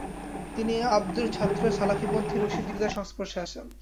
তিনি আবদুহর ছাত্র সালাফিপন্থি রশিদ রিদার সংস্পর্শে আসেন।